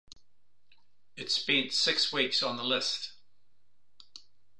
It spent six weeks on the list.